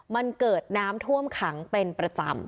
มันเกิดน้ำท่วมขังเป็นประจำ